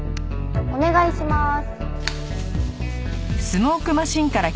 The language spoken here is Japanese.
お願いします。